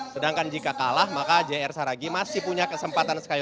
sedangkan jika kalah maka jr saragi masih punya kesempatan sekali